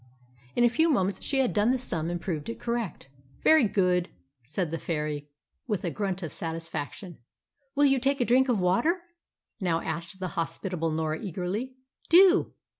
In a few moments she had done the sum and proved it correct. "Very good," said the fairy, with a grunt of satisfaction. "Will you take a drink of water?" now asked the hospitable Norah eagerly. "Do."